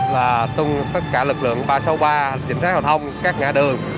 là tung tất cả lực lượng ba trăm sáu mươi ba trịnh sát giao thông các ngã đường